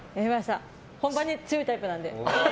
本番に強いタイプなんで。